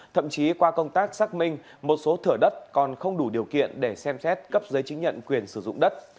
thậm chí qua công tác xác minh một số thửa đất còn không đủ điều kiện để xem xét cấp giấy chứng nhận quyền sử dụng đất